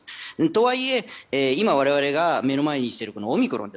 とはいえ、今我々が目の前にしているオミクロン